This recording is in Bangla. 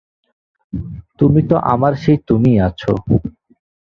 তুমি তো আমার সেই তুমিই আছ।